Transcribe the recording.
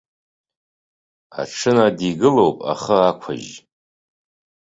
Аҽынади гылоуп ахы ақәыжь.